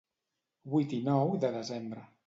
Vuit i nou de desembre.